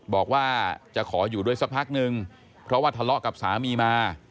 บอกว่าจะขออยู่ด้วยสักพักนึงเพราะว่าทะเลาะกับสามีมา